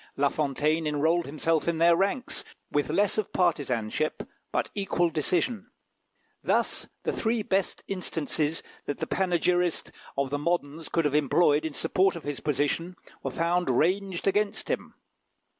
La Fontaine enrolled himself in their ranks, with less of partisanship, but equal decision. Thus, the three best instances that the panegyrist of the moderns could have employed in support of his position, were found ranged against him.